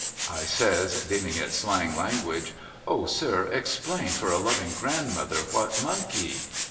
I says deeming it slang language * O sir explain for a loving grandmother what Monkey